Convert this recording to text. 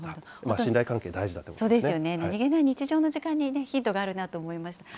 信頼関係が大事だということですそうですよね、何気ない日常的な時間にヒントがあるなと思いました。